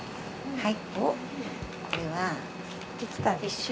はい。